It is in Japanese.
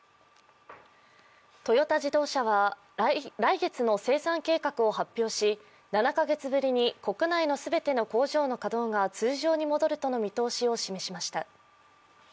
トヨタ自動車は来月の生産計画を発表し７カ月ぶりに国内の全ての工場の稼働が通常に戻るとの見通しを示しました。